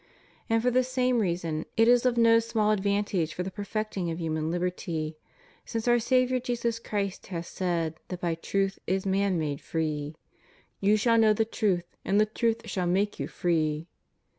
And for the same reason it is of no small advantage for the perfecting of human liberty, since our Saviour Jesus Christ has said that by truth is man made free : You shall know the truth, and the truth shall make you free.